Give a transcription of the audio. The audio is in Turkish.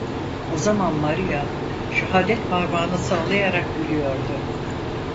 O zaman Maria şahadetparmağını sallayarak gülüyordu…